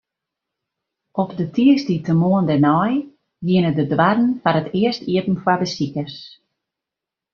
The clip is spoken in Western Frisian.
Op de tiisdeitemoarn dêrnei giene de doarren foar it earst iepen foar besikers.